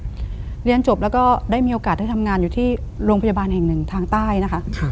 เรียนจบแล้วก็ได้มีโอกาสได้ทำงานอยู่ที่โรงพยาบาลแห่งหนึ่งทางใต้นะคะ